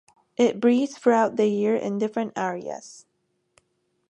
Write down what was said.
It breeds throughout the year in different areas.